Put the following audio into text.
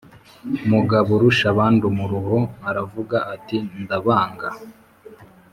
mugaburushabandumuruho aravuga ati: ndabanga